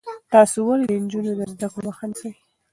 تاسو ولې د نجونو د زده کړو مخه نیسئ؟